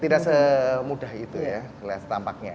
tidak semudah itu ya